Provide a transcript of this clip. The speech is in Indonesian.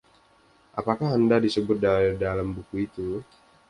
Apakah Anda disebut di dalam buku itu?